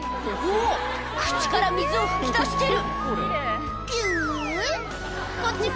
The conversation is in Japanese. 口から水を吹き出してる。